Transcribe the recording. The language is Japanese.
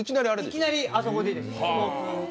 いきなり、あそこにです。